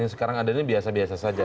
yang sekarang ada ini biasa biasa saja